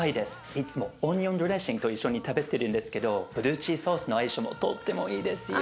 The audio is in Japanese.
いつもオニオンドレッシングと一緒に食べてるんですけどブルーチーズソースの相性もとってもいいですよ。